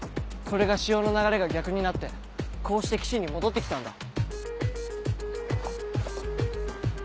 それが潮の流れが逆になってこうして岸に戻って来たんだ。